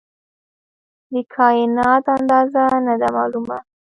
د کائنات اندازه نه ده معلومه.